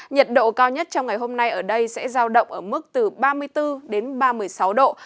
nhiệt độ cao nhất trong ngày hôm nay ở đây sẽ giao động ở mức từ ba mươi bốn đến ba mươi sáu độ